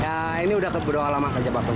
ya ini udah berdoa lama kan siapa pun